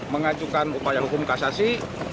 mengajukan upaya hukum kasasi